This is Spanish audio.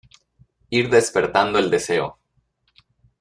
ir despertando el deseo